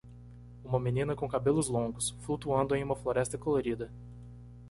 Uma menina com cabelos longos, flutuando em uma floresta colorida